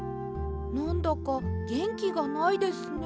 なんだかげんきがないですね。